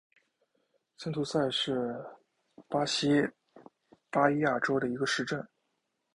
森图塞是巴西巴伊亚州的一个市镇。